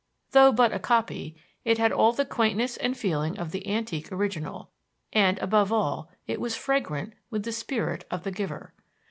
Though but a copy, it had all the quaintness and feeling of the antique original, and, above all, it was fragrant with the spirit of the giver.